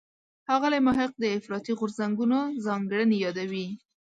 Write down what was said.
ښاغلی محق د افراطي غورځنګونو ځانګړنې یادوي.